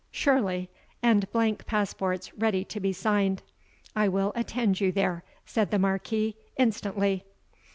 "Surely; and blank passports ready to be signed. I will attend you there," said the Marquis, "instantly."